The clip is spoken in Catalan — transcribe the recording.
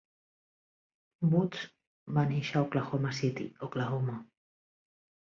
Woods va néixer a Oklahoma City, Oklahoma.